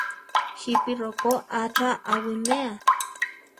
¿Jípi rokó a cha awimea?